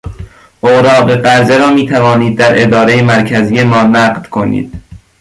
اوراق قرضه را میتوانید در ادارهی مرکزی ما نقد کنید.